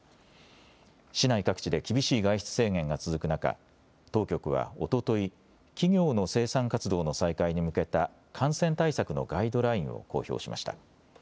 市内各地で厳しい外出制限が続く中、当局はおととい企業の生産活動の再開に向けた感染対策のガイドラインを公表しました。